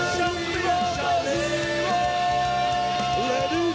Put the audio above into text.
สร้างการที่กระทะนัก